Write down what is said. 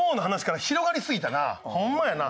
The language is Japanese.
ホンマやな。